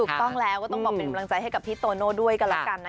ถูกต้องแล้วก็ต้องบอกเป็นกำลังใจให้กับพี่โตโน่ด้วยกันแล้วกันนะ